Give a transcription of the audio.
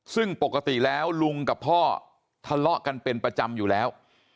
ซึ่งปกติแล้วลุงกับพ่อทะเลาะกันเป็นประจำอยู่แล้ว